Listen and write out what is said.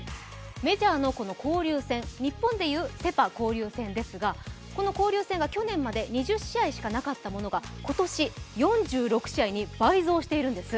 メジャーの交流戦、日本で言うセ・パ交流戦ですが、この交流戦が去年まで２０試合しかなかったものが今年、４６試合に倍増しているんです